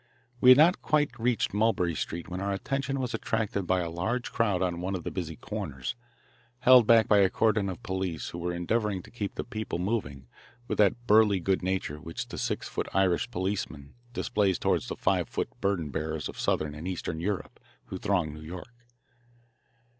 We had not quite reached Mulberry Street when our attention was attracted by a large crowd on one of the busy corners, held back by a cordon of police who were endeavouring to keep the people moving with that burly good nature which the six foot Irish policeman displays toward the five foot burden bearers of southern and eastern Europe who throng New York.